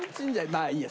まあいいや。